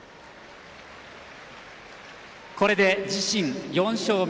これで自身４勝目。